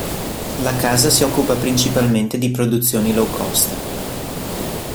La casa si occupa principalmente di produzioni low-cost.